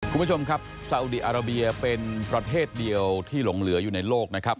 คุณผู้ชมครับซาอุดีอาราเบียเป็นประเทศเดียวที่หลงเหลืออยู่ในโลกนะครับ